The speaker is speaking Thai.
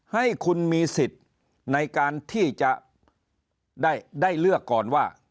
ให้คุณมีสิทธิ์ในการที่จะได้เลือกก่อนว่า